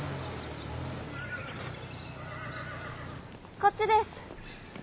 こっちです。